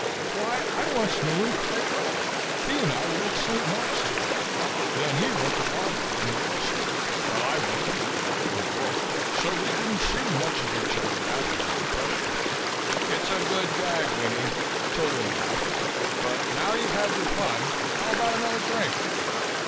"Why I once knew him quite well. He and I were at St. Mark's together, then he went to Harvard and Wall Street while I went to Yale and broke, so we didn't see much of each other after the depression." "It's a good gag, Winnie," Tolan laughed, "but now you've had your fun, how about another drink?"